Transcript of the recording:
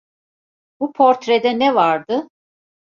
Bu portrede ne vardı?..